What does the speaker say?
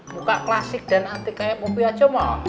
muka klasik dan antik kayak popi aja mahal nih